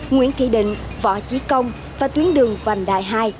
nguyễn thị định võ chí công và tuyến đường vành đại hai